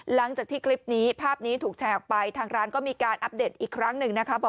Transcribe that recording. หลังจากที่คลิปนี้ภาพนี้ถูกแชร์ออกไปทางร้านก็มีการอัปเดตอีกครั้งหนึ่งนะคะ